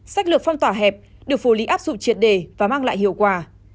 sách lược phong tỏa hẹp được phủ lý áp dụng triệt đề và mang lại hiệu quả